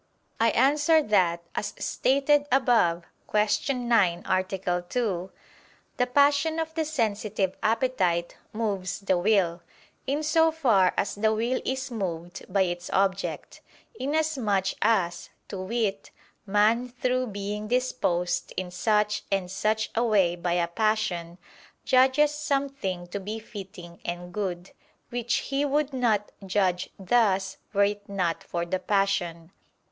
I answer that, As stated above (Q. 9, A. 2), the passion of the sensitive appetite moves the will, in so far as the will is moved by its object: inasmuch as, to wit, man through being disposed in such and such a way by a passion, judges something to be fitting and good, which he would not judge thus were it not for the passion.